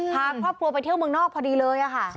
พาครอบครัวไปเที่ยวเมืองนอกพอดีเลยค่ะ